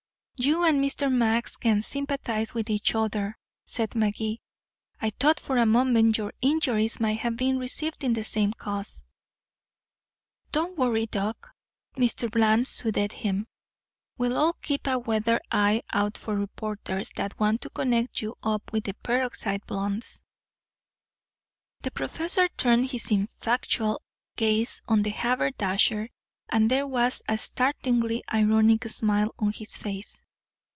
"You and Mr. Max can sympathize with each other," said Magee, "I thought for a moment your injuries might have been received in the same cause." "Don't worry, Doc," Mr. Bland soothed him, "we'll all keep a weather eye out for reporters that want to connect you up with the peroxide blondes." The professor turned his ineffectual gaze on the haberdasher, and there was a startlingly ironic smile on his face.